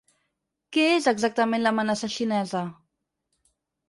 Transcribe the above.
Què és exactament l’amenaça xinesa?